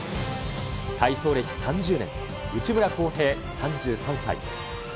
体操歴３０年、内村航平３３歳。